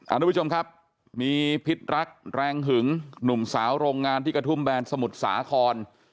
ทุกผู้ชมครับมีพิษรักแรงหึงหนุ่มสาวโรงงานที่กระทุ่มแบนสมุทรสาคร